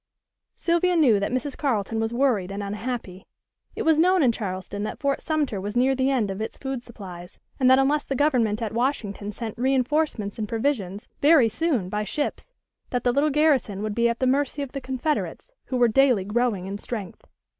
Sylvia knew that Mrs. Carleton was worried and unhappy. It was known in Charleston that Fort Sumter was near the end of its food supplies, and that unless the Government at Washington sent reinforcements and provisions very soon by ships that the little garrison would be at the mercy of the Confederates, who were daily growing in strength.